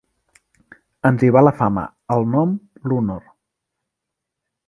Ens hi va la fama, el nom, l'honor.